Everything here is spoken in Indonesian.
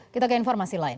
kita ke informasi lain